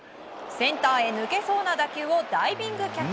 センターへ抜けそうな打球をダイビングキャッチ。